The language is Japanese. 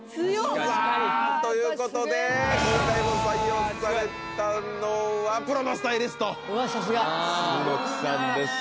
さあということで今回も採用されたのはプロのスタイリスト楠さんです